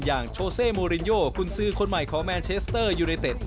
โชเซโมรินโยกุญซือคนใหม่ของแมนเชสเตอร์ยูไนเต็ด